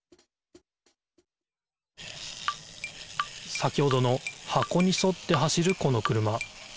先ほどの箱にそって走るこの車。